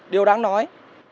điều đáng nói